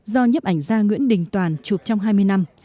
do nhấp ảnh ra nguyễn đình toàn chụp trong hai mươi năm